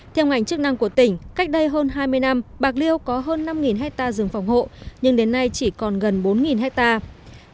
theo ngành chức năng của tỉnh cách đây hơn hai mươi năm bạc liêu có hơn năm hectare rừng phòng hộ nhưng đến nay chỉ còn gần bốn hectare